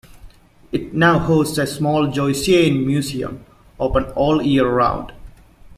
It now hosts a small Joycean museum, open all year round.